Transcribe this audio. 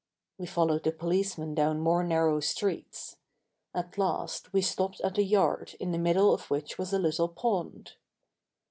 We followed the policeman down more narrow streets. At last we stopped at a yard in the middle of which was a little pond.